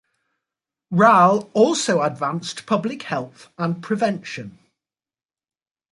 Rall also advanced public health and prevention.